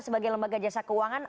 sebagai lembaga jasa keuangan